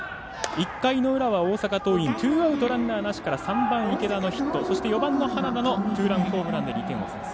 １回の裏は大阪桐蔭ツーアウト、ランナーなしから３番、池田のヒット４番の花田のツーランホームランで２点先制。